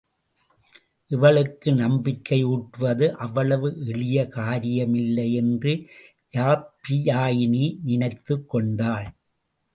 இவளுக்கு நம்பிக்கை யூட்டுவது அவ்வளவு எளிய காரியமில்லை என்று யாப்பியாயினி நினைத்துக் கொண்டாள்.